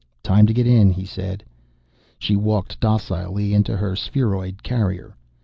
"Time to get in," he said. She walked docilely into her spheroid carrier.